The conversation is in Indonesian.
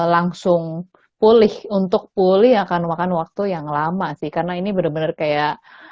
langsung pulih untuk pulih akan memakan waktu yang lama sih karena ini bener bener kayak